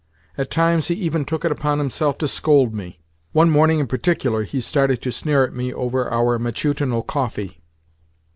At times he even took it upon himself to scold me. One morning in particular, he started to sneer at me over our matutinal coffee.